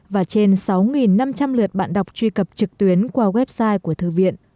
và trên sáu năm trăm linh lượt bạn đọc truy cập trực tuyến qua website của thư viện